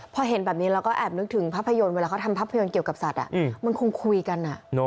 พอเห็นแบบนี้เราก็แอบนึกถึงภาพยนตร์เวลาเขาทำภาพยนตร์เกี่ยวกับสัตว์มันคงคุยกัน